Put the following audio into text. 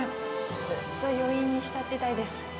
ずっと余韻に浸っていたいです。